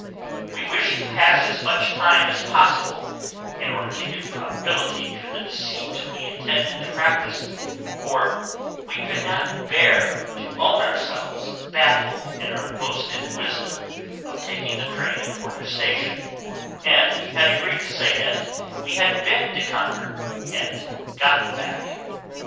We wished to pass as much time as possible, in order to give probability to the deceit we intended to practise, for we could not bear to own ourselves baffled in our boasted wisdom of taking the train at Porter's Station, and had agreed to say that we had been to Concord and got back.